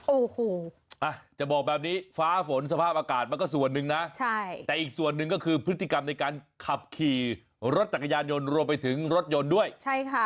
โอ้โหอ่ะจะบอกแบบนี้ฟ้าฝนสภาพอากาศมันก็ส่วนหนึ่งนะใช่แต่อีกส่วนหนึ่งก็คือพฤติกรรมในการขับขี่รถจักรยานยนต์รวมไปถึงรถยนต์ด้วยใช่ค่ะ